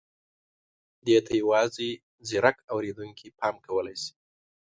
دې ته یوازې ځيرک اورېدونکي پام کولای شي.